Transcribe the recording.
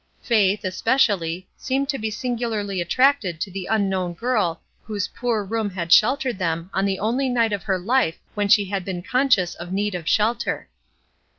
Faith, espe cially, seemed to be singularly attracted to the unknown girl whose poor room had sheltered them on the only night of her life when she had been conscious of need of shelter.